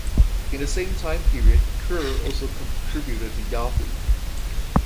In the same time period, Kerr also contributed to Yahoo!